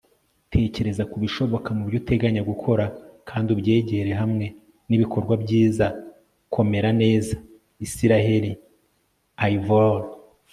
tekereza kubishoboka mubyo uteganya gukora kandi ubyegere hamwe nibikorwa byiza. komera neza. - isiraheli ayivor